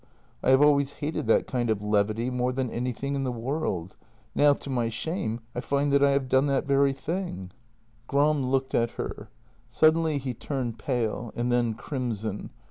I have always hated that kind of levity more than anything in the world. Now — to my shame — I find I have done that very thing." JENNY 170 Gram looked at her. Suddenly he turned pale — and then crimson.